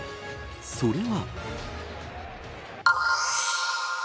それは。